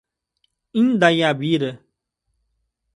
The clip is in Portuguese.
Indaiabira